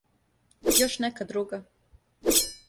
Још нека друга?